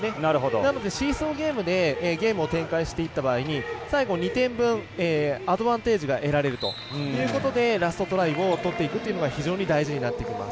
なので、シーソーゲームでゲームを展開していった場合に最後、２点分アドバンテージが得られるということでラストトライを取っていくのが非常に大事になっていきます。